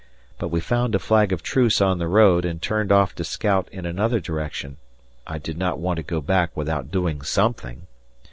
But we found a flag of truce on the road and turned off to scout in another direction I did not want to go back without doing something.